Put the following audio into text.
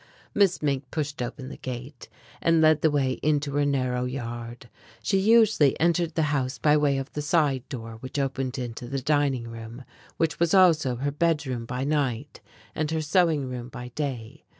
Miss Mink pushed open the gate and led the way into her narrow yard. She usually entered the house by way of the side door which opened into the dining room, which was also her bedroom by night, and her sewing room by day.